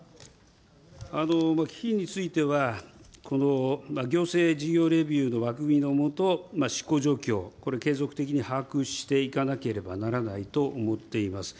基金については、この行政事業レビューの枠組みの下、執行状況、これ継続的に把握していかなければならないと思っています。